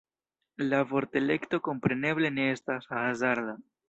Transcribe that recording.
La vortelekto kompreneble ne estas hazarda.